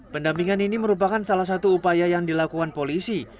pendampingan ini merupakan salah satu upaya yang dilakukan polisi